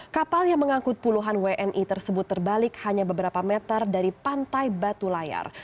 kapal yang mengangkut puluhan wni tersebut terbalik hanya beberapa meter dari pantai batu layar